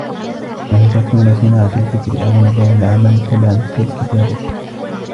أَنْ تَكُونَ صِنَاعَةُ الْفِكْرِ أَغْلَبَ وَالْعَمَلُ تَبَعًا كَالْكِتَابَةِ